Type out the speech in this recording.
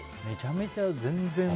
めちゃくちゃ全然。